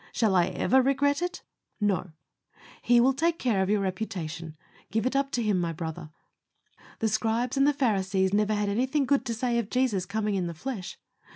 Shall I ever regret it? No; He will take care of your reputation. Give it up to Him, my brother. The Scribes and the Pharisees never had anything good to say of Jesus coming in the flesh.